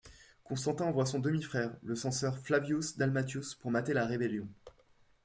Constantin envoie son demi-frère, le Censeur Flavius Dalmatius, pour mater la rébellion.